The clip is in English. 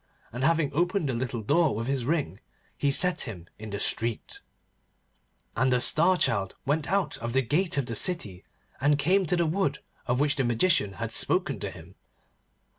And having opened the little door with his ring he set him in the street. And the Star Child went out of the gate of the city, and came to the wood of which the Magician had spoken to him.